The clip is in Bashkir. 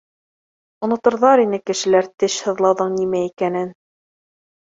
Оноторҙар ине кешеләр теш һыҙлауҙың нимә икәнен.